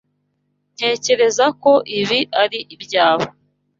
Ntekereza ko ibi ari ibyawe.